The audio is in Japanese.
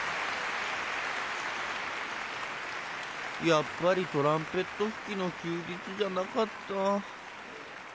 やっぱり「トランペット吹きの休日」じゃなかった。